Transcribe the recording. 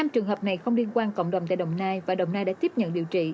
năm trường hợp này không liên quan cộng đồng tại đồng nai và đồng nai đã tiếp nhận điều trị